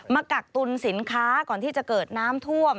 กักตุลสินค้าก่อนที่จะเกิดน้ำท่วม